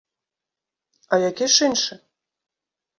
А які ж іншы?!